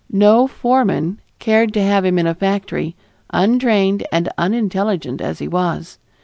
No foreman cared to have him in a factory, untrained and unintelligent as he was.